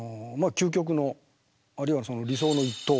究極のあるいは理想の一刀